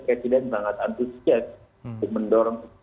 presiden sangat antusias untuk mendorong